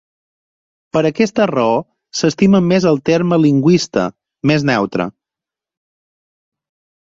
Per aquesta raó s'estimen més el terme lingüista, més neutre.